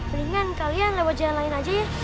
ringan kalian lewat jalan lain aja ya